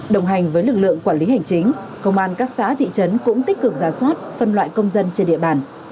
đồng hành với lực lượng quản lý hành chính công an các xã thị trấn cũng tích cực giả soát phân loại công dân trên địa bàn